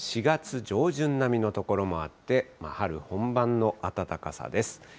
４月上旬並みの所もあって、春本番の暖かさです。